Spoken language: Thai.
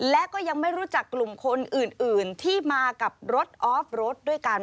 และก็ยังไม่รู้จักกลุ่มคนอื่นที่มากับรถออฟรถด้วยกัน